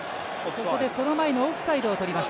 ここで、その前のオフサイドをとります。